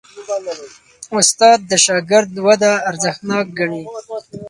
استاد د شاګرد وده ارزښتناک ګڼي.